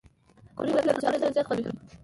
پکورې له کچالو سره زیات خوند کوي